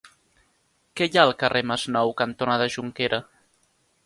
Què hi ha al carrer Masnou cantonada Jonquera?